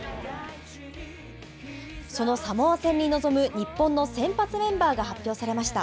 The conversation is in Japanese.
そのサモア戦に臨む日本の先発メンバーが発表されました。